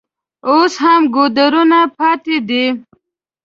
اوس هم ګودرونه پاتې دي.